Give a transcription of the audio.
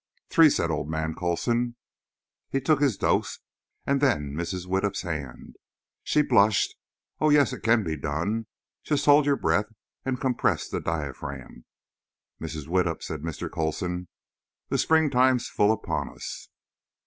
"Three," said old man Coulson. He took his dose and then Mrs. Widdup's hand. She blushed. Oh, yes, it can be done. Just hold your breath and compress the diaphragm. "Mrs. Widdup," said Mr. Coulson, "the springtime's full upon us."